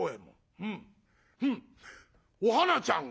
「ふんふんお花ちゃんが！？